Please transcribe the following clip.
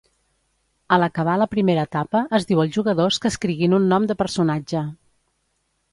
Al acabar la primera etapa es diu als jugadors que escriguin un nom de personatge.